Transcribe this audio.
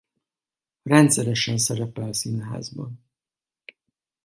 Rendszeresen szerepel színházban.